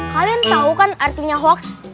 kalian tau kan artinya hoaks